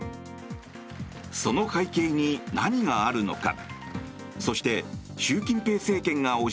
その背景に何があるのか。